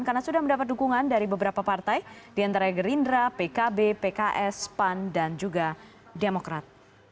karena sudah mendapat dukungan dari beberapa partai di antara gerindra pkb pks pan dan juga demokrat